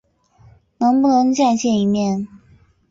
能不能再见一面？